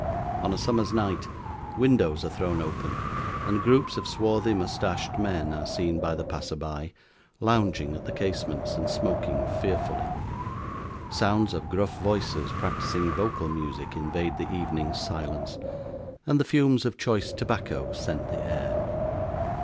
On a summer's night, windows are thrown open, and groups of swarthy moustached men are seen by the passer by, lounging at the casements, and smoking fearfully. Sounds of gruff voices practising vocal music invade the evening's silence; and the fumes of choice tobacco scent the air.